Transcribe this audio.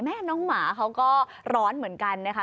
แม่น้องหมาเขาก็ร้อนเหมือนกันนะคะ